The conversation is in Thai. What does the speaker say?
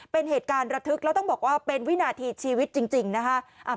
เป็นเหตุการณ์ระทึกแล้วต้องบอกว่าเป็นวินาทีชีวิตจริงนะคะ